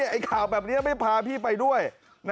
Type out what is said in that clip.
ไอ้ข่าวแบบนี้ไม่พาพี่ไปด้วย